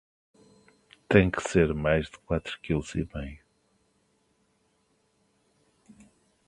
Tem que ser mais de quatro quilos e meio.